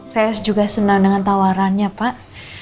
saya juga senang dengan tawarannya pak